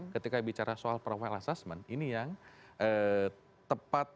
ketika bicara soal profile assessment ini yang tepat